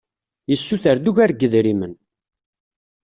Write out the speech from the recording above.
Yessuter-d ugar n yedrimen.